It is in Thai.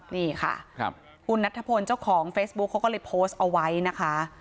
นี่ค่ะคุณนัทธพลเจ้าของเฟซบุ๊คเขาก็เลยโพสต์เอาไว้นะคะ